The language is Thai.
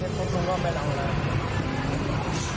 จากนั้นเราถ่ายรถรอยไปได้เห็นว่าอยู่ดี